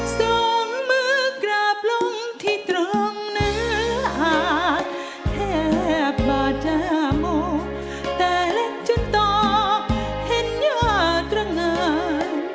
ส่งมือกราบลงที่ตรงหน้าแทบบาดอาโมแต่เล่นจนต่อเห็นยาตรงนั้น